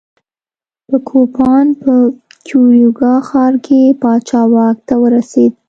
په کوپان په کیوریګوا ښار کې پاچا واک ته ورسېد.